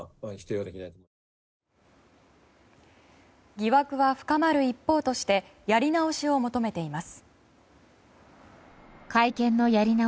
疑惑は深まる一方としてやり直しを求めています。